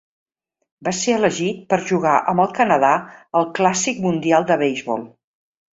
Va ser elegit per jugar amb el Canadà al clàssic mundial de beisbol.